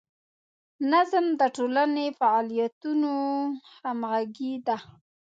نظم د ټولنې د فعالیتونو همغږي ده.